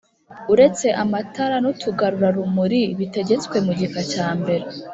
Uretse amatara n'utugarurarumuri bitegetswe mu gika cya mbere